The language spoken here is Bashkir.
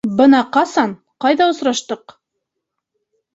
— Бына ҡасан, ҡайҙа осраштыҡ.